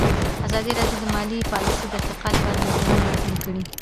ازادي راډیو د مالي پالیسي د ارتقا لپاره نظرونه راټول کړي.